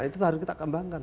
itu harus kita kembangkan